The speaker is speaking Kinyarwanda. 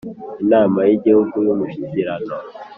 inama yigihugu yumushyikirano